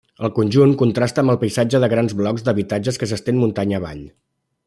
El conjunt contrasta amb el paisatge de grans blocs d'habitatges que s'estén muntanya avall.